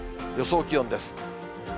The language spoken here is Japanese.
予想気温です。